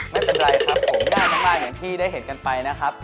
ไม่เป็นไรครับผมง่ายมากอย่างที่ได้เห็นกันไปนะครับ